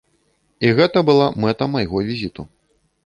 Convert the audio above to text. І гэта была мэта майго візіту.